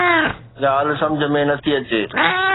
ڳالهه سمجهه ۾ نٿي اچي